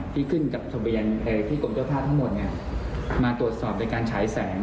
ที่ขึ้นกับทะเบียนที่กรมเจ้าท่าทั้งหมดเนี่ยมาตรวจสอบในการฉายแสงนะฮะ